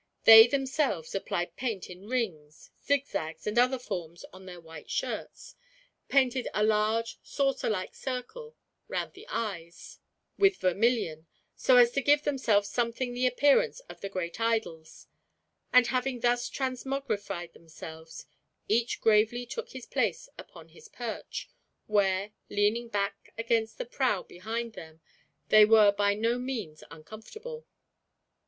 They themselves applied paint in rings, zigzags, and other forms to their white shirts; painted a large saucer like circle round the eyes with vermilion, so as to give themselves something the appearance of the great idols; and having thus transmogrified themselves, each gravely took his place upon his perch; where, leaning back against the prow behind them, they were by no means uncomfortable.